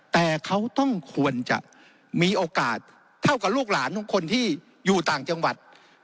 แต่เขาต้องควรจะมีโอกาสเท่ากับลูกหลานของคนที่อยู่ต่างจังหวัด